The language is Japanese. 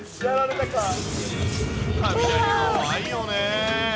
雷怖いよね。